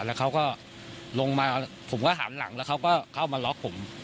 แล้วเขาก็ลงมาผมก็หันหลังแล้วเขาก็เข้ามาล็อกผม